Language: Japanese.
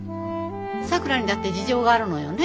さくらにだって事情があるのよね。